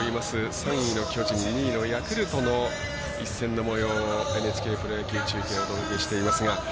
３位の巨人２位のヤクルトの一戦のもようをＮＨＫプロ野球中継お届けしていますが。